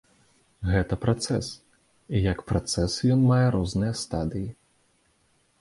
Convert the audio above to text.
Гэта працэс, і як працэс ён мае розныя стадыі.